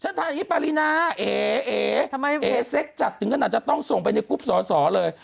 ฉันถามอย่างนี้ปารีนาเอ๋เอ๋เซ็กจัดถึงขนาดจะต้องส่งไปในกรุ๊ปส่อเลย